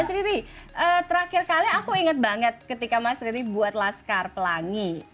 mas riri terakhir kali aku inget banget ketika mas riri buat laskar pelangi